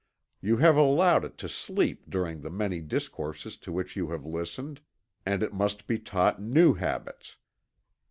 You have allowed it to sleep during the many discourses to which you have listened, and it must be taught new habits.